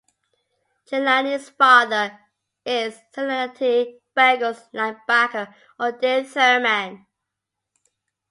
Jelani's father is Cincinnati Bengals linebacker Odell Thurman.